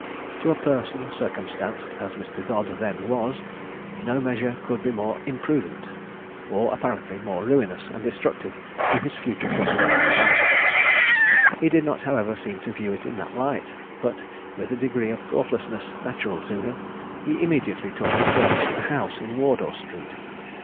To a person circumstanced as Mr. Dodd then was, no measure could be more imprudent, or apparently more ruinous and destructive to his future prospects in life. He did not, however, seem to view it in that light, but, with a degree of thoughtlessness natural to him, he immediately took and furnished a house in Wardour street.